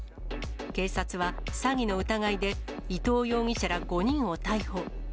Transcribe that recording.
警察は、詐欺の疑いで伊藤容疑者ら５人を逮捕。